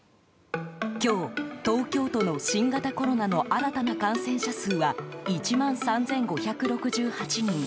今日、東京都の新型コロナの新たな感染者数は１万３５６８人。